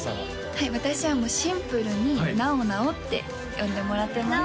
はい私はもうシンプルに「なおなお」って呼んでもらってます